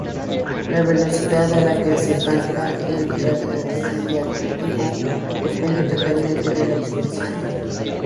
La velocidad a la que se canta el recitativo depende totalmente de la expresión.